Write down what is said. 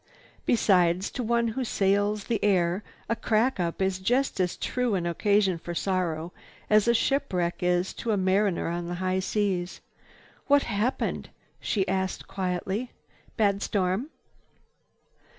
Besides, to one who sails the air a crack up is just as true an occasion for sorrow as a shipwreck is to a mariner on the high seas. "What happened?" she asked quietly. "Bad storm?"